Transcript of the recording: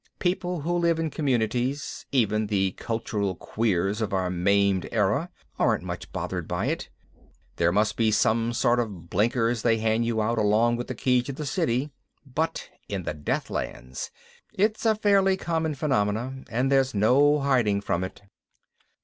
People who live in communities, even the cultural queers of our maimed era, aren't much bothered by it there must be some sort of blinkers they hand you out along with the key to the city but in the Deathlands it's a fairly common phenomenon and there's no hiding from it.